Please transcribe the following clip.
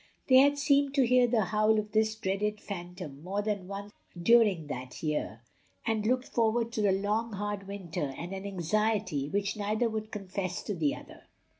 They had seemed to hear the howl of this dreaded phantom more than once during that year, and looked forward to the long hard winter with an anxiety which neither would confess to the other.